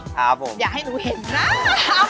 ครับผมอย่าให้หนูเห็นนะเอามา